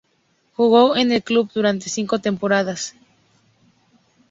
Jugó en el club durante cinco temporadas.